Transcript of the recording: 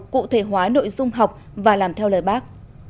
cụ thể hóa nội dung học và làm theo lời bác